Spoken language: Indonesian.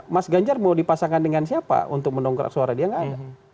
mas ganjar mau dipasangkan dengan siapa untuk mendongkrak suara dia nggak ada